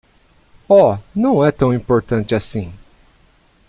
Oh,? não é tão importante assim.